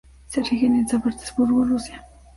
Se erige en San Petersburgo, Rusia.